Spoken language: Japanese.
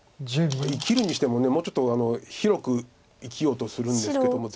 生きるにしてももうちょっと広く生きようとするんですけども。